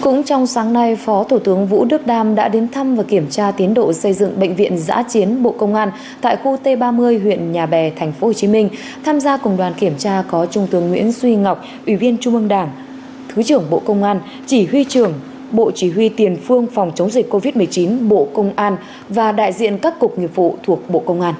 cũng trong sáng nay phó thủ tướng vũ đức đam đã đến thăm và kiểm tra tiến độ xây dựng bệnh viện giã chiến bộ công an tại khu t ba mươi huyện nhà bè tp hcm tham gia cùng đoàn kiểm tra có trung tướng nguyễn duy ngọc ủy viên trung ương đảng thứ trưởng bộ công an chỉ huy trưởng bộ chỉ huy tiền phương phòng chống dịch covid một mươi chín bộ công an và đại diện các cục nghiệp vụ thuộc bộ công an